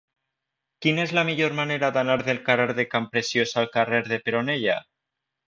Quina és la millor manera d'anar del carrer de Campreciós al carrer de Peronella?